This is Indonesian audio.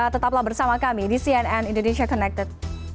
tetaplah bersama kami di cnn indonesia connected